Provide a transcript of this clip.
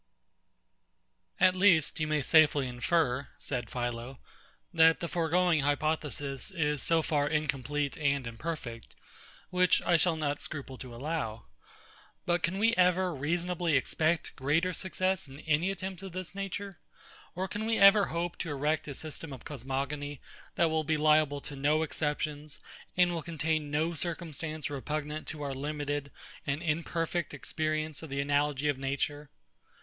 At least, you may safely infer, said PHILO, that the foregoing hypothesis is so far incomplete and imperfect, which I shall not scruple to allow. But can we ever reasonably expect greater success in any attempts of this nature? Or can we ever hope to erect a system of cosmogony, that will be liable to no exceptions, and will contain no circumstance repugnant to our limited and imperfect experience of the analogy of Nature?